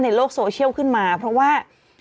ในโลกโซเชียลขึ้นมาเพราะว่า